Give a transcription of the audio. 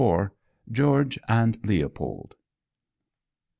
GEORGE AND LEOPOLD.